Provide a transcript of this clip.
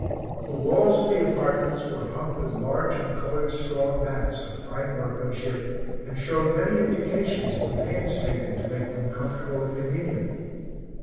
The walls of the apartments were hung with large and colored straw mats, of fine workmanship, and showed many indications of the pains taken to make them comfortable and convenient.